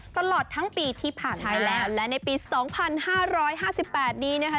ตลอดทั้งปีที่ผ่านมาแล้วและในปี๒๕๕๘นี้นะคะ